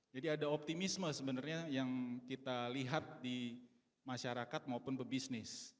jadi ada optimisme sebenarnya yang kita lihat di masyarakat maupun pebisnis